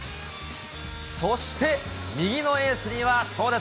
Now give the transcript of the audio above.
そして、右のエースには、そうです。